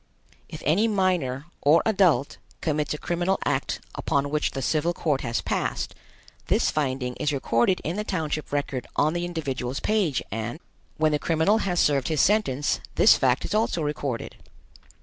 If any minor or adult commits a criminal act upon which the civil court has passed, this finding is recorded in the township record on the individual's page and, when the criminal has served his sentence, this fact is also recorded.